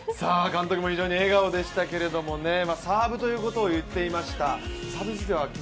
監督も非常に笑顔でしたけど、サーブということを言っていました。